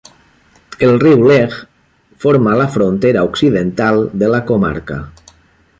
El Riu Lech forma la frontera occidental de la comarca.